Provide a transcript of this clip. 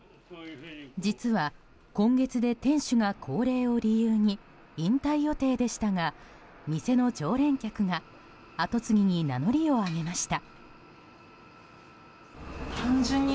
実は、今月で店主が高齢を理由に引退予定でしたが店の常連客が後継ぎに名乗りを上げました。